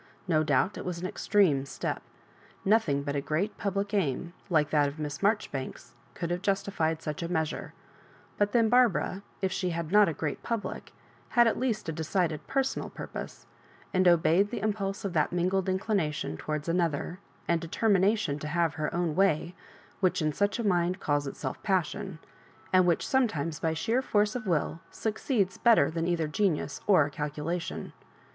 No doubt it was an extreme step. Nothing but a g^eat public aim, like that of Miss Maijoribanks, could have justified such a measure; but then Barbara, if she had not a great public, had at least a decided personal, purpose, and obeyed the impulse of that mingled inclination towards another, and determination to have her own way, which in such a mind calls itself passion, and which sometimes, by sheer force of will, succeeds better than either genius or calculation.